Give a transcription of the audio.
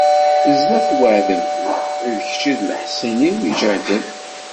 Sdat n uɛdaw-iw, d kečč i d leḥṣin-iw iǧehden.